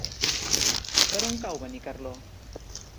Per on cau Benicarló?